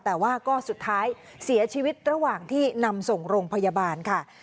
แต่ว่าก็สุดท้ายเสียชีวิตระหว่างที่นำส่งโรงพยาบาลค่ะ